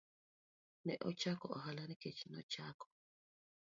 Ne ochako ohala nikech nachako.